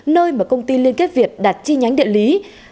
nơi mà công ty liên kết việt đặt chi nhánh địa lý